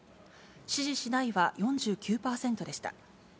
支持しないは４９％でした。